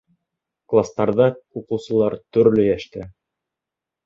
Кластарҙа уҡыусылар төрлө йәштә.